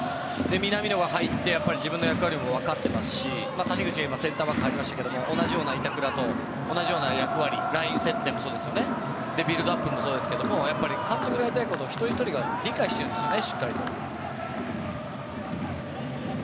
南野が入って自分の役割も分かってますし谷口が今、センターバックで入りますけども板倉と同じ役割ライン設定もそうだしビルドアップもそうですが監督が言いたいことをしっかりと一人ひとりが理解してるんですよね。